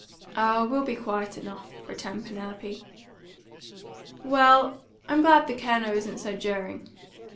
"Oh, we'll be quiet enough," returned Penelope. "Well, I'm glad the Colonel isn't sojering.